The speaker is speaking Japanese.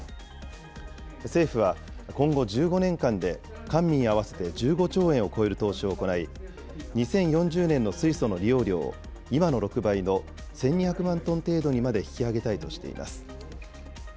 政府は、今後１５年間で、官民合わせて１５兆円を超える投資を行い、２０４０年の水素の利用量を、今の６倍の１２００万トン程度にまで引き上げたいとしています。